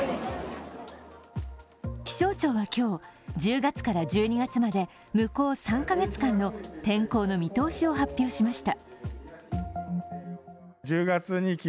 気象庁は今日、１０月から１２月まで向こう３カ月間の天候の見通しを発表しました。